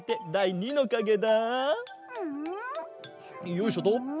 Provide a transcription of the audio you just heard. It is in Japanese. よいしょと。